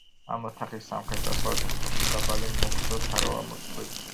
ამ ოთახის სამხრეთ-დასავლეთ კუთხეში დაბალი, მოგრძო თაროა მოწყობილი.